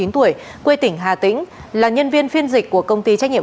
ba mươi chín tuổi quê tỉnh hà tĩnh là nhân viên phiên dịch của công ty trách nhiệm